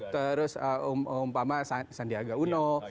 terus umpama sandiaga uno